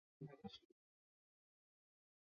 以上皆为以上皆为